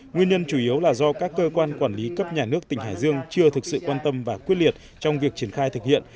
nguyên nhân chủ yếu là do các cơ quan quản lý cấp nhà nước tỉnh hải dương chưa thực sự quan tâm và quyết liệt trong việc triển khai thực hiện